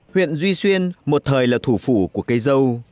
huyện duy xuyên một thời là thủ phủ của cây dâu